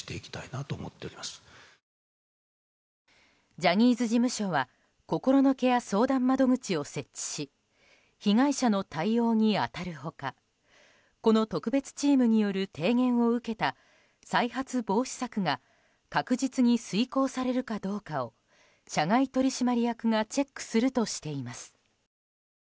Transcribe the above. ジャニーズ事務所は心のケア相談窓口を設置し被害者の対応に当たる他この特別チームによる提言を受けた再発防止策が確実に遂行されるかどうかを社外取締役がチェックするとしています。